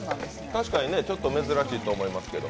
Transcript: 確かに珍しいと思いますけど。